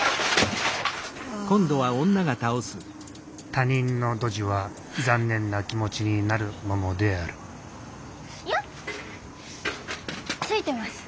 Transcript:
他人のドジは残念な気持ちになるももであるいやついてます。